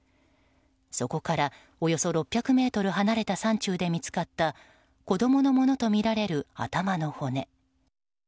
そこからおよそ６００ｍ離れた山中で見つかった子供のものとみられる頭の骨。